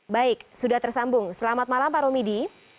baik sudah tersambung selamat malam pak romidi